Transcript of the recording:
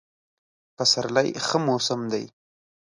پسرلی ښه موسم دی.